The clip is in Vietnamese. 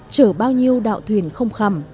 chở bao nhiêu đạo thuyền không khằm